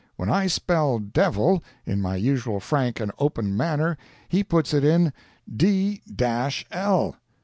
When I spell "devil" in my usual frank and open manner, he puts it "d—l"!